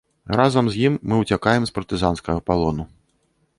Разам з ім мы ўцякаем з партызанскага палону.